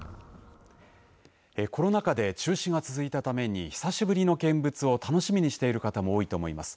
コロナ禍で中止が続いたために久しぶりの見物を楽しみにしている方も多いと思います。